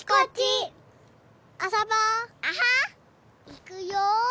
いくよ。